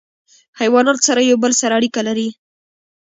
حیوانات سره یو بل سره اړیکه لري.